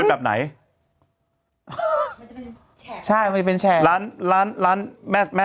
อาจารย์บริการมีมั้ย